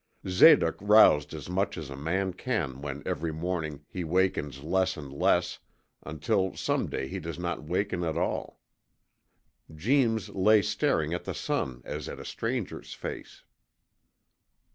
Zadoc roused as much as a man can when every morning he wakens less and less until some day he does not waken at all. Jeems lay staring at the sun as at a stranger's face.